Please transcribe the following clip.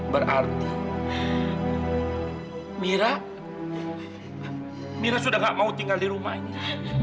berarti mira mira sudah gak mau tinggal di rumah ini